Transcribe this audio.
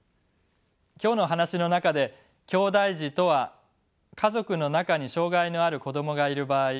今日の話の中できょうだい児とは家族の中に障がいのある子どもがいる場合